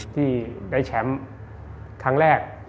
ที่ได้แชมป์ครั้งแรก